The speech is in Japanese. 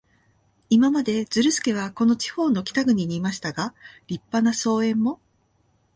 今まで、ズルスケはこの地方の北部にいましたが、立派な荘園も、